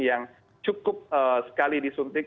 yang cukup sekali disuntik